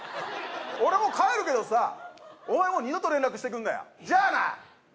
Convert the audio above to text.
俺もう帰るけどさお前もう二度と連絡してくんなよじゃあな！